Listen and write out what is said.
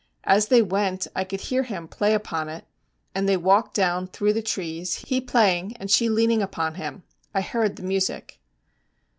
As they went I could hear him play upon it, and they walked down through the trees, he playing and she leaning upon him. I heard the music.'